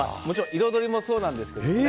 もちろん彩りもそうなんですけど。